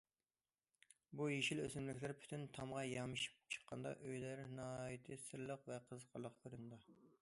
بۇ يېشىل ئۆسۈملۈكلەر پۈتۈن تامغا يامىشىپ چىققاندا ئۆيلەر ناھايىتى سىرلىق ۋە قىزىقارلىق كۆرۈنىدۇ.